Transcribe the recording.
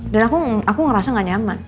dan aku ngerasa gak nyaman